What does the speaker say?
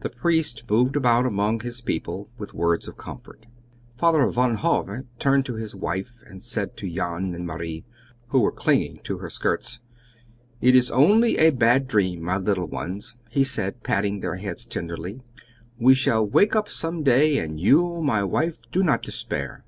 The priest moved about among his people with words of comfort. Father Van Hove turned to his wife, and to Jan and Marie, who were clinging to her skirts. "It is only a bad dream, my little ones," he said, patting their heads tenderly; "we shall wake up some day. And you, my wife, do not despair!